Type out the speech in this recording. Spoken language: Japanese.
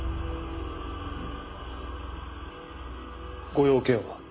ご用件は？